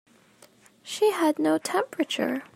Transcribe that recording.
She had no temperature.